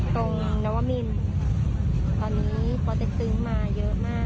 ตรงณวมินตอนนี้มาเยอะมาก